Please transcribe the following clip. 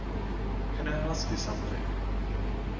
Can I ask you something?